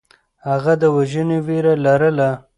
هغه د وژنې وېره لرله.